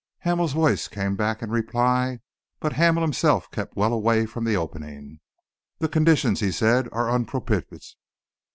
Hamel's voice came back in reply, but Hamel himself kept well away from the opening. "The conditions," he said, "are unpropitious.